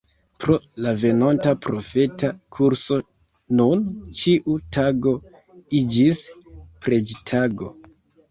Pro la venonta profeta kurso nun ĉiu tago iĝis preĝtago.